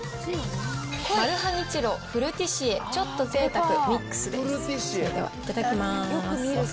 マルハニチロ、フルティシエちょっと贅沢ミックス。